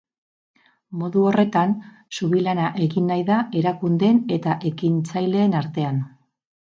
Modu horretan, zubilana egin nahi da erakundeen eta ekintzaileen artean.